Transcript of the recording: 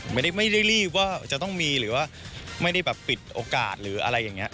ไม่ได้รีบว่าจะต้องมีหรือว่าไม่ได้แบบปิดโอกาสหรืออะไรอย่างนี้